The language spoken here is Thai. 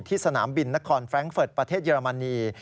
สนามบินนครแร้งเฟิร์ตประเทศเยอรมนี